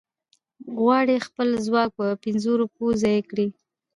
غواړي خپل ځواک په پنځو روپو ځای کړي.